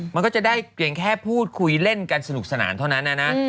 มันก็จะได้เพียงแค่พูดคุยเล่นกันสนุกสนานเท่านั้นนะนะ